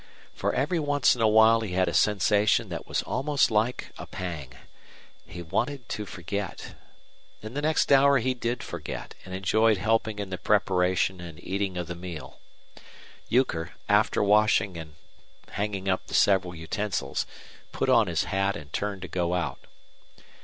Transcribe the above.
For every once in a while he had a sensation that was almost like a pang. He wanted to forget. In the next hour he did forget, and enjoyed helping in the preparation and eating of the meal. Euchre, after washing and hanging up the several utensils, put on his hat and turned to go out.